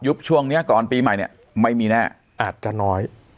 ช่วงนี้ก่อนปีใหม่เนี่ยไม่มีแน่อาจจะน้อย